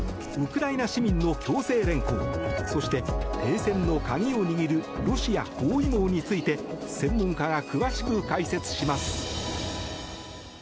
ウクライナ市民の強制連行そして、停戦の鍵を握るロシア包囲網について専門家が詳しく解説します。